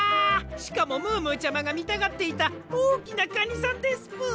しかもムームーちゃまがみたがっていたおおきなカニさんですぷ。